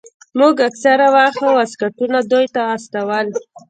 موږ اکثره وخت واسکټونه دوى ته استول.